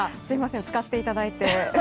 すみません使っていただいて。